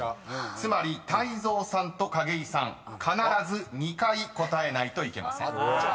［つまり泰造さんと景井さん必ず２回答えないといけません］